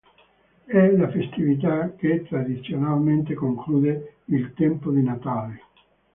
È la festività che tradizionalmente conclude il tempo di Natale.